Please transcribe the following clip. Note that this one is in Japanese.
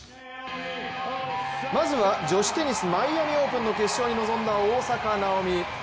まずは女子テニスマイアミオープンの決勝に臨んだ大坂なおみ。